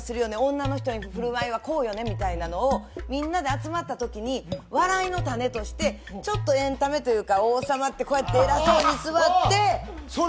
女の人への振る舞いはこうよねみたいなのをみんなで集まった時に笑いのタネとしてちょっとエンタメというか王様ってこうやって偉そうに座ってそれ！